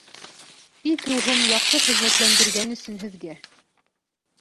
Ике һум яҡшы хәҙмәтләндергән өсөн һеҙгә